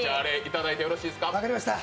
分かりました。